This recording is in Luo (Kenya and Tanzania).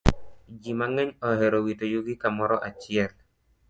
Ji mang'eny ohero wito yugi kamoro achiel.